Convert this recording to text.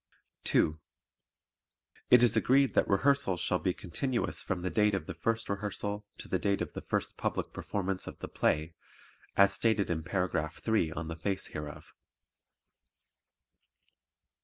(2) It is agreed that rehearsals shall be continuous from the date of the first rehearsal to the date of the first public performance of the play, as stated in Paragraph three on the face hereof.